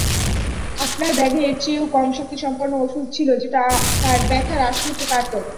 আপনার ব্যাগে এর চেয়েও কম শক্তিসম্পন্ন ওষুধ ছিল যেটা তার ব্যাথা হ্রাস করতে পারত।